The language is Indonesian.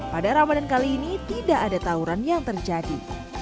pada ramadan kali ini tidak ada tawuran yang terjadi